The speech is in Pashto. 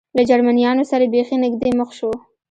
له جرمنیانو سره بېخي نږدې مخ شو.